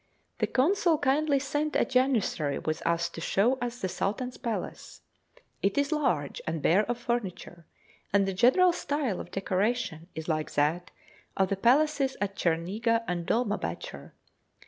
The Consul kindly sent a janissary with us to show us the Sultan's palace. It is large and bare of furniture; and the general style of decoration is like that of the palaces at Cherniga and Dolma Batscher.